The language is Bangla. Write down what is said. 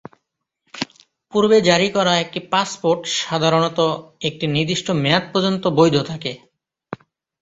পুর্বে জারি করা একটি পাসপোর্ট সাধারণত একটি নির্দিষ্ট মেয়াদ পর্যন্ত বৈধ থাকে।